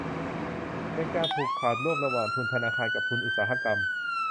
เป็นการผูกขาดร่วมระหว่างทุนธนาคารกับทุนอุตสาหกรรม